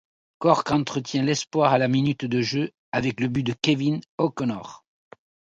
Cork entretien l'espoir à la minute de jeu avec le but de Kevin O'Connor.